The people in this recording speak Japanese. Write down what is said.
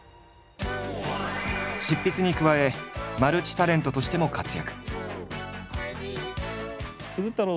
執筆に加えマルチタレントとしても活躍。